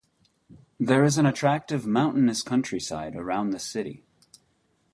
There is an attractive mountainous countryside around the city.